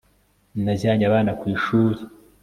najyanye abana ku ishuri